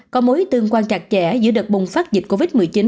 có mối tương quan chặt chẽ giữa đợt bùng phát dịch covid một mươi chín